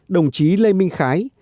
đồng chí lê minh khái